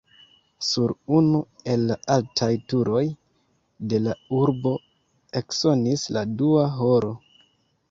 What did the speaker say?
Sur unu el la altaj turoj de la urbo eksonis la dua horo.